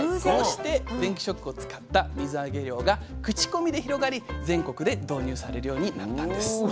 こうして電気ショックを使った水揚げ漁が口コミで広がり全国で導入されるようになったんです。